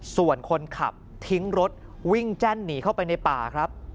ส่วนคนขับทิ้งรถวิ่งแจ้นหนีเข้าไปในป่าครับ